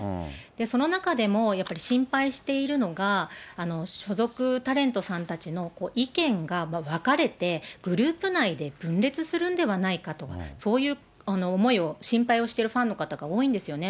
その中でも、やっぱり心配しているのが所属タレントさんたちの意見が分かれて、グループ内で分裂するんではないかとか、そういう思いを心配をしているファンの方が多いんですよね。